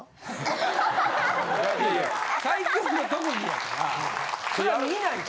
最強の特技やからそれは見ないと。